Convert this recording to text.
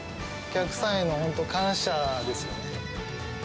お客さんへの、本当、感謝ですよ